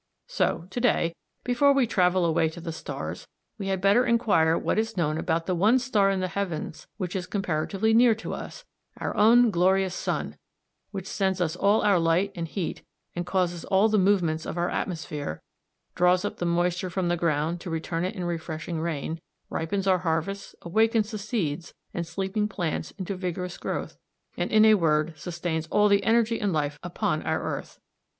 So to day, before we travel away to the stars, we had better inquire what is known about the one star in the heavens which is comparatively near to us, our own glorious sun, which sends us all our light and heat, causes all the movements of our atmosphere, draws up the moisture from the ground to return in refreshing rain, ripens our harvests, awakens the seeds and sleeping plants into vigorous growth, and in a word sustains all the energy and life upon our earth.